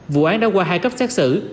vụ án đã qua hai cấp xét xử